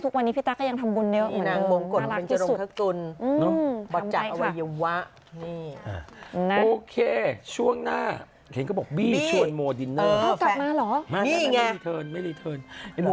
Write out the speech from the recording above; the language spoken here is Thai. ทุกวันนี้พี่ตั๊กก็ยังทำบุญเยอะอยู่นะ